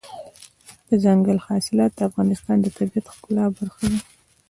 دځنګل حاصلات د افغانستان د طبیعت د ښکلا برخه ده.